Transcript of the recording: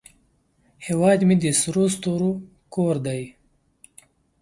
هیواد مې د سرو ستورو کور دی